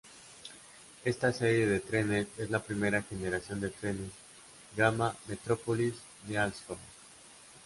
Esta serie de trenes es la primera generación de trenes gama Metrópolis de Alstom.